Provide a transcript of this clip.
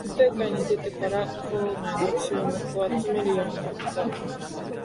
県大会に出てから校内の注目を集めるようになった